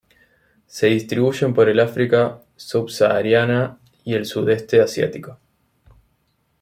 Se distribuyen por el África subsahariana y el Sudeste Asiático.